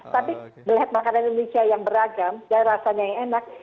tapi melihat makanan indonesia yang beragam dan rasanya yang enak